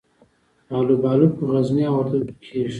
الوبالو په غزني او وردګو کې کیږي.